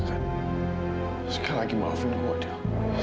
sekali lagi maafin gue dil